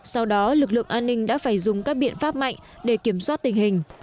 sau đó lực lượng an ninh đã phải dùng các biện pháp mạnh để kiểm soát tình hình